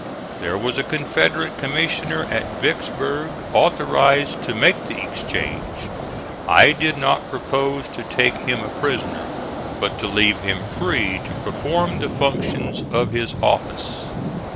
There was a Confederate commissioner at Vicksburg, authorized to make the exchange. I did not propose to take him a prisoner, but to leave him free to perform the functions of his office.